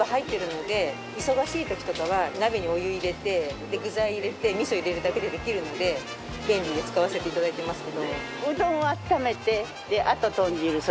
忙しい時とかは鍋にお湯入れて具材入れて味噌入れるだけでできるので便利で使わせていただいてますけど。